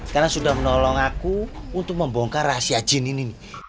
karena sudah menolong aku untuk membongkar rahasia jin ini